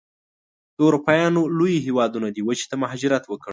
د اروپایانو لویو هېوادونو دې وچې ته مهاجرت وکړ.